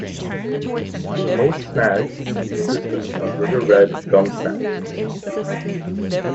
Most snags in these systems are river red gum snags.